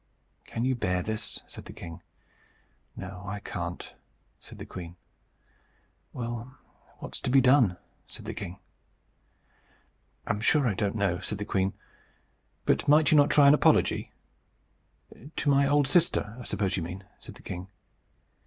"Can you bear this?" said the king. "No, I can't," said the queen. "Well, what's to be done?" said the king. "I'm sure I don't know," said the queen. "But might you not try an apology?" "To my old sister, I suppose you mean?" said the king.